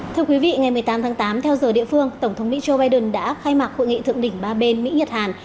thưa quý vị ngày một mươi tám tháng tám theo giờ địa phương tổng thống mỹ joe biden đã khai mạc hội nghị thượng đỉnh ba bên mỹ nhật hàn